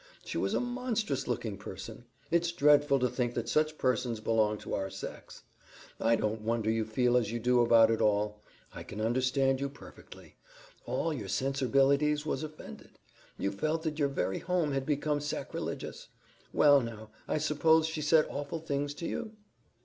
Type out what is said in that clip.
She was a monstrous looking person. It's dreadful to think that such persons belong to our sex. I don't wonder you feel as you do about it all. I can understand you perfectly. All your senserbleness was offended. You felt that your very home had become sacrilegious. Well, now, I suppose she said awful things to you?"